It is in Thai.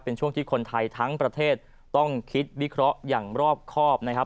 เป็นช่วงที่คนไทยทั้งประเทศต้องคิดวิเคราะห์อย่างรอบครอบนะครับ